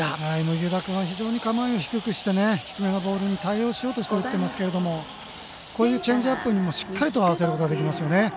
麥生田君は非常に構えを低くして低めのボールに対応しようとして打ってますけどこういうチェンジアップにもしっかりと合わせることができますよね。